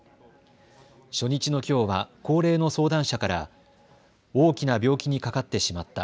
初日のきょうは高齢の相談者から大きな病気にかかってしまった。